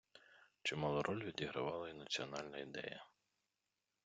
Чималу роль відігравала й національна ідея.